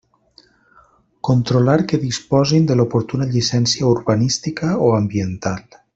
Controlar que disposin de l'oportuna llicència urbanística o ambiental.